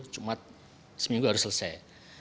cuma seminggu harus selesai